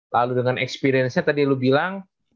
lalu dengan experience nya tadi lu bilang